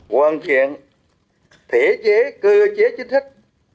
hoàn thiện thể chế cơ chế chính sách